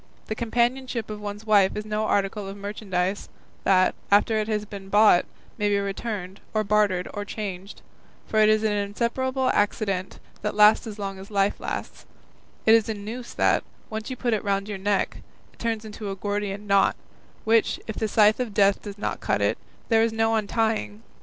The companionship of one's wife is no article of merchandise, that, after it has been bought, may be returned, or bartered, or changed; for it is an inseparable accident that lasts as long as life lasts; it is a noose that, once you put it round your neck, turns into a Gordian knot, which, if the scythe of Death does not cut it, there is no untying.